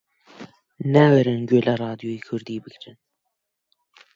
ناوێرن گوێ لە ڕادیۆی کوردی بگرن